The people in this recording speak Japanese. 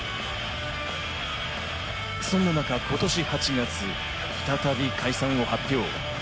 そんな中、今年８月、再び解散を発表。